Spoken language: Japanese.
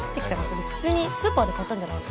これ普通にスーパーで買ったんじゃないの？